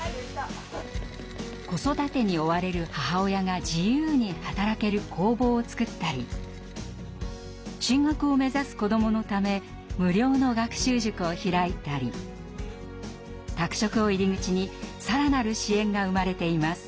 子育てに追われる母親が自由に働ける工房を作ったり進学を目指す子どものため無料の学習塾を開いたり宅食を入り口に更なる支援が生まれています。